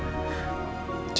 gak usah diperpanjang udah